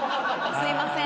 すいません。